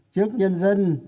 trước nhân dân